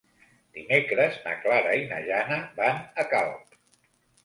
Dimecres na Clara i na Jana van a Calp.